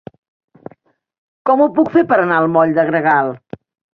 Com ho puc fer per anar al moll de Gregal?